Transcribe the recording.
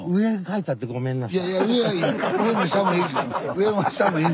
上も下もいい。